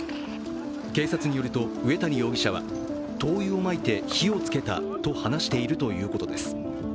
警察によると、上谷容疑者は灯油をまいて火をつけたと話しているということです。